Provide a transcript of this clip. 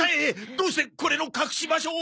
どうしてこれの隠し場所を！？